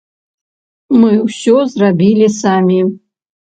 Мы ўсё зрабілі самі.